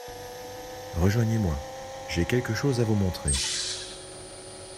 Rejoignez-moi, j’ai quelque chose à vous montrer.